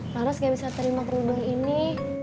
laras gak bisa terima kerudung ini